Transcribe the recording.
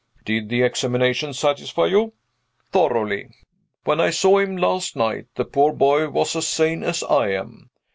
"Did the examination satisfy you?" "Thoroughly. When I saw him last night, the poor boy was as sane as I am.